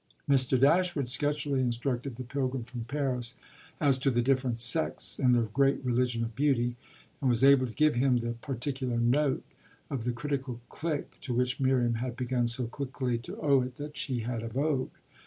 Mr. Dashwood sketchily instructed the pilgrim from Paris as to the different sects in the great religion of beauty, and was able to give him the particular "note" of the critical clique to which Miriam had begun so quickly to owe it that she had a vogue.